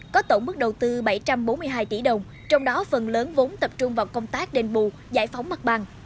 có tổng mức đầu tư bảy trăm bốn mươi hai tỷ đồng trong đó phần lớn vốn tập trung vào công tác đền bù giải phóng mặt bằng